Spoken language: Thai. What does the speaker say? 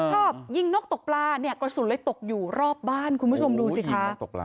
ชอบยิงนกตกปลาเนี่ยกระสุนเลยตกอยู่รอบบ้านคุณผู้ชมดูสิคะ